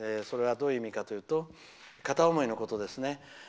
それはどういうことかというと片思いのことですね。